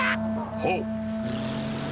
はっ。